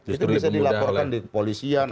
itu bisa dilaporkan ke polisian